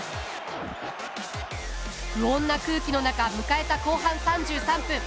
不穏な空気の中迎えた後半３３分。